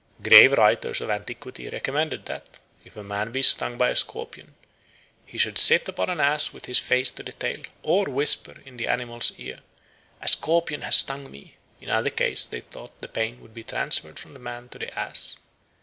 Grave writers of antiquity recommended that, if a man be stung by a scorpion, he should sit upon an ass with his face to the tail, or whisper in the animal's ear, "A scorpion has stung me"; in either case, they thought, the pain would be transferred from the man to the ass.